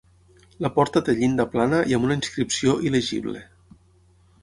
La porta té llinda plana i amb una inscripció il·legible.